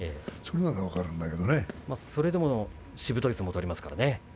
それでもしぶとい相撲を取りますね。